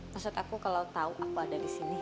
maksud aku kalau tau aku ada disini